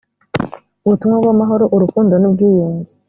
ubutumwa bw'amahoro, urukundo n’ ubwiyunge